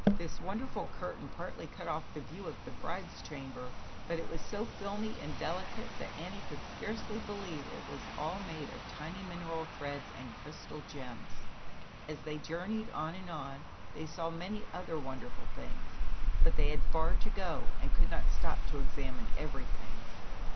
This wonderful curtain partly cut off the view of the bride's chamber, but it was so filmy and delicate that Annie could scarcely believe it was all made of tiny mineral threads and crystal gems. A 1 J 11 As they journeyed on and on, they saw many other wonderful things, but they had far to go and could not stop to examine everything.